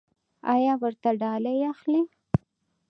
ایا ورته ډالۍ اخلئ؟